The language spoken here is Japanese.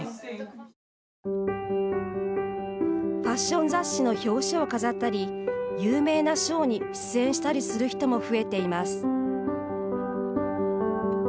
ファッション雑誌の表紙を飾ったり有名なショーに出演したりする人も増えています。